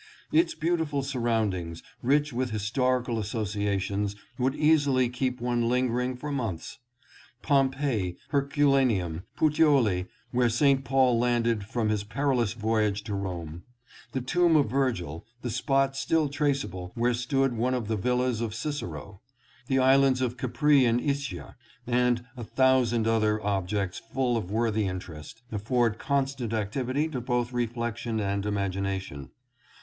Its beautiful surroundings rich with historical associations would easily keep one lingering for months. Pompeii, Herculaneum, Puteoli where St. Paul landed from his perilous voyage to Rome ; the tomb of Virgil ; the spot still traceable where stood one of the villas of Cicero ; the islands of Capri and Ischia, and a thousand other objects full of worthy interest, afford constant activity to both re flection and imagination.